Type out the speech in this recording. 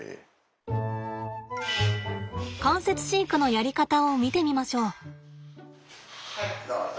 間接飼育のやり方を見てみましょう。